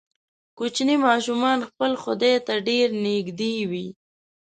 کوچني ماشومان خپل خدای ته ډیر نږدې وي.